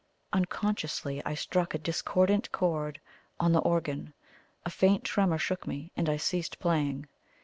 Unconsciously I struck a discordant chord on the organ a faint tremor shook me, and I ceased playing.